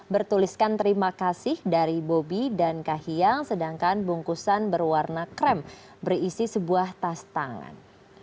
bertuliskan terima kasih dari bobi dan kahiyang sedangkan bungkusan berwarna krem berisi sebuah tas tangan